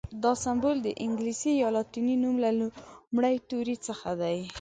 دا سمبول د انګلیسي یا لاتیني نوم له لومړي توري څخه دی.